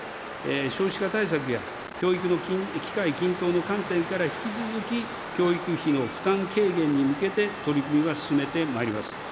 少子化対策や、教育の機会均等の観点から、引き続き教育費の負担軽減に向けて取り組みは進めてまいります。